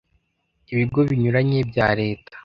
Ibigo binyuranye bya Leta